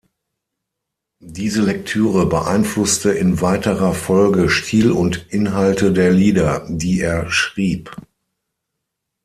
Diese Lektüre beeinflusste in weiterer Folge Stil und Inhalte der Lieder, die er schrieb.